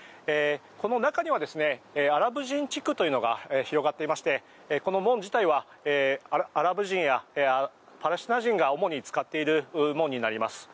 この中にはアラブ人地区というのが広がっていましてこの門自体はアラブ人やパレスチナ人が主に使っている門になります。